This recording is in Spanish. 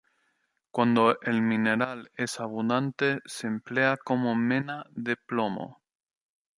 Cuando el mineral es abundante se emplea como mena de plomo.